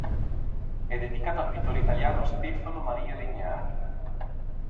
È dedicato al pittore italiano Stefano Maria Legnani.